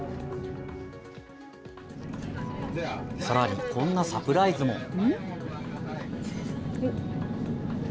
さらに、こんなサプライズも。